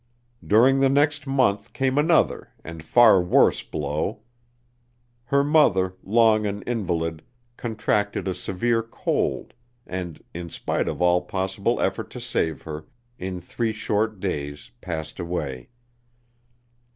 During the next month came another and far worse blow. Her mother, long an invalid, contracted a severe cold and, in spite of all possible effort to save her, in three short days passed away.